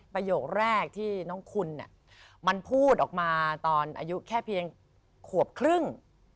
ประโยคแรกที่น้องคุณมันพูดออกมาตอนอายุแค่เพียงขวบครึ่ง